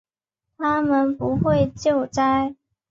他们不会救灾